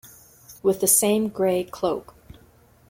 With the same grey cloak.